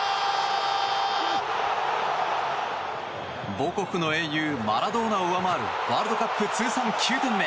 母国の英雄マラドーナを上回るワールドカップ通算９点目。